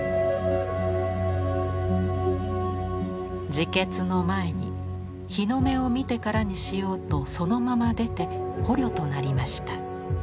「自決の前に日の目を見てからにしようとそのまま出て捕虜となりました。